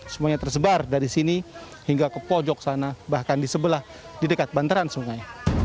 semuanya tersebar dari sini hingga ke pojok sana bahkan di sebelah di dekat bantaran sungai